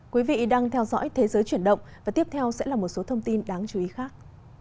quý vị đang theo dõi thế giới chuyển động và tiếp theo sẽ là một số thông tin đáng chú ý khác